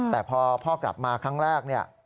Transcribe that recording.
แต่พอพ่อกลับมาครั้งแรกเนี่ย